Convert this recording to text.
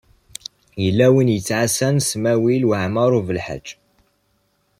Yella win i yettɛassan Smawil Waɛmaṛ U Belḥaǧ.